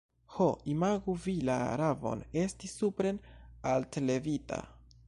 Ho, imagu vi la ravon esti supren altlevita!